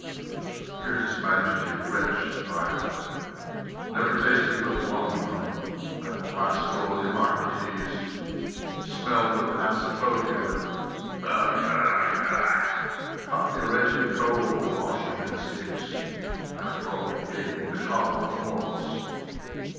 (Here his Majesty retched violently.) "I never tasted but one—that rascal Hippocrates!—smelt of asafoetida—ugh! ugh! ugh!—caught a wretched cold washing him in the Styx—and after all he gave me the cholera morbus."